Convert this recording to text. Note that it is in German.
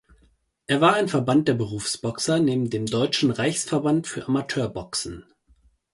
Er war ein Verband der Berufsboxer neben dem Deutschen Reichsverband für Amateurboxen.